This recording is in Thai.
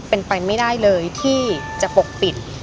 เป็นไปไม่ได้เลยที่จะปกปิด